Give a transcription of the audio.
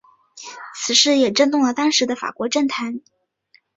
此事也震动了当时的法国政坛。